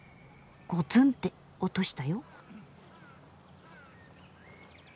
ゴツンって音したよ。